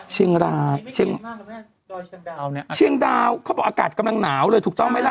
เชียงราชเชียงดาวเขาบอกอากาศกำลังหนาวเลยถูกต้องไหมล่ะ